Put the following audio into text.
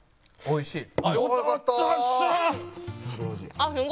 おいしい！